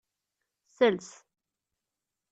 Sels.